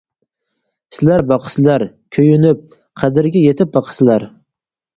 سىلەر باقىسىلەر، كۆيۈنۈپ، قەدرىگە يېتىپ باقىسىلەر.